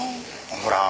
ほら。